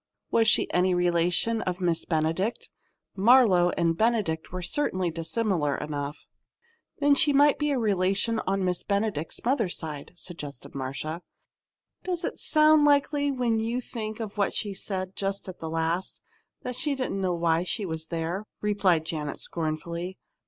Was she any relation of Miss Benedict? "Marlowe" and "Benedict" were certainly dissimilar enough. "But then she might be a relation on Miss Benedict's mother's side," suggested Marcia. "Does it sound likely when you think what she said just at the last that she didn't know why she was there?" replied Janet, scornfully.